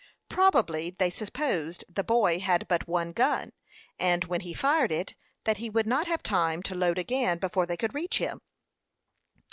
Probably they supposed the boy had but one gun, and, when he fired it, that he would not have time to load again before they could reach him.